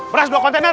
beras dua kontainer